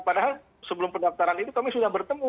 padahal sebelum pendaftaran ini kami sudah bertemu